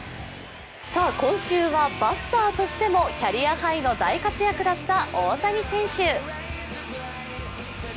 今週はバッターとしてもキャリアハイの大活躍だった大谷選手。